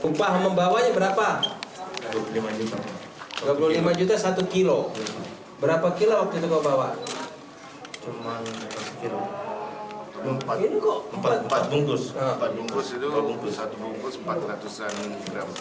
satu bungkus empat ratus an gram